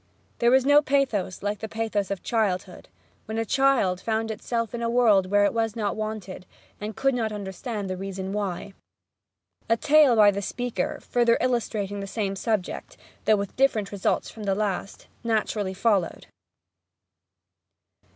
There was no pathos like the pathos of childhood, when a child found itself in a world where it was not wanted, and could not understand the reason why. A tale by the speaker, further illustrating the same subject, though with different results from the last, naturally followed.